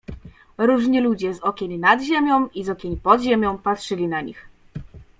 Różni ludzie z okien nad ziemią i z okien pod ziemią patrzyli na nich.